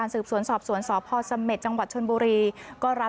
เลือดแดงมาเลยล่ะ